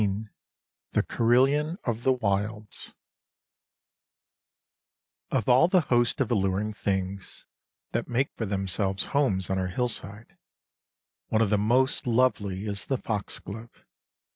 XVII The Carillon of the Wilds OF all the host of alluring things that make for themselves homes on our hillside, one of the most lovely is the foxglove.